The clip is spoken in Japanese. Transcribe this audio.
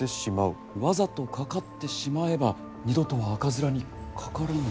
わざとかかってしまえば二度とは赤面にかからぬ。